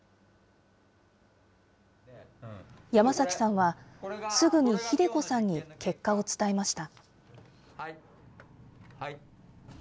山崎さんは、すぐにひで子さんに結果を伝えました。